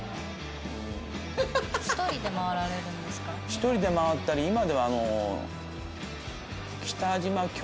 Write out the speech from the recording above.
１人でまわったり今では。